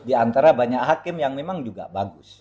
di antara banyak hakim yang memang juga bagus